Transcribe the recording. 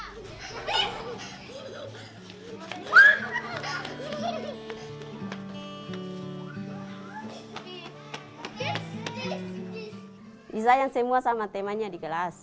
saya sayang semua sama temannya di kelas